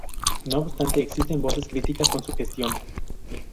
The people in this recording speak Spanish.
No obstante, existen voces críticas con su gestión.